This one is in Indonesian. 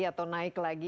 atau naik lagi